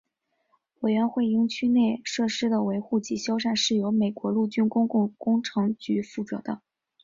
委员会营区内设施的维护及修缮是由美国陆军公共工程局负责的。